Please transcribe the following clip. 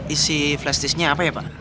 isi flashdisknya apa ya pak